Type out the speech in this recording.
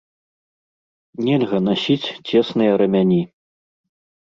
Нельга насіць цесныя рамяні.